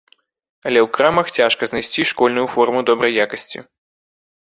Але ў крамах цяжка знайсці школьную форму добрай якасці.